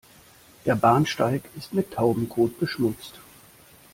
Der Bahnsteig ist mit Taubenkot beschmutzt.